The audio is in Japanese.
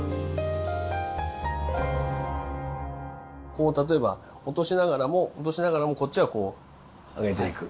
こう例えば落としながらも落としながらもこっちはこう上げていく。